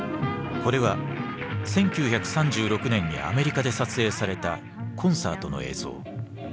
これは１９３６年にアメリカで撮影されたコンサートの映像。